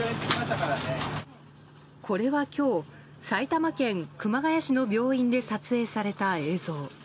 これは今日、埼玉県熊谷市の病院で撮影された映像。